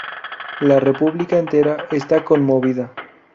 La República entera está conmovida.